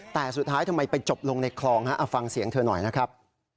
แต่สุดท้ายทำไมไปจบลงในคลองฮะเอาฟังเสียงเธอหน่อยนะครับ